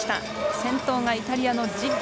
先頭がイタリアのジッリ。